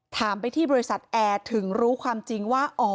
ถามไปที่บริษัทแอร์ถึงรู้ความจริงว่า